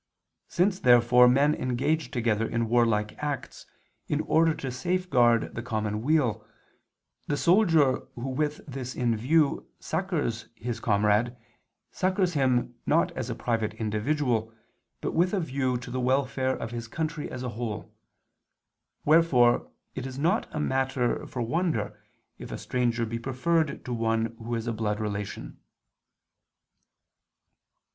Since therefore men engage together in warlike acts in order to safeguard the common weal, the soldier who with this in view succors his comrade, succors him not as a private individual, but with a view to the welfare of his country as a whole: wherefore it is not a matter for wonder if a stranger be preferred to one who is a blood relation.